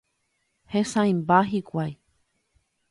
Hesãimba hikuái.